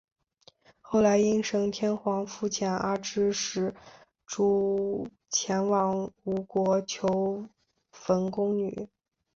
后来应神天皇复遣阿知使主前往吴国求缝工女。